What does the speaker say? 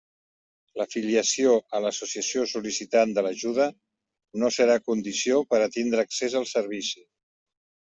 L'afiliació a l'associació sol·licitant de l'ajuda no serà condició per a tindre accés al servici.